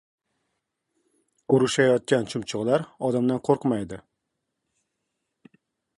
• Urushayotgan chumchuqlar odamdan qo‘rqmaydi.